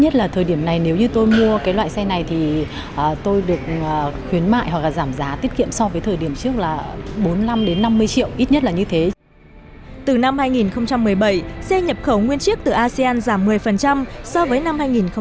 từ năm hai nghìn một mươi bảy xe nhập khẩu nguyên chiếc từ asean giảm một mươi so với năm hai nghìn một mươi bảy